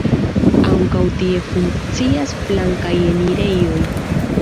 Ankaŭ tie funkcias flankaj enirejoj.